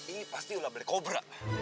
ini pasti ular balik kobra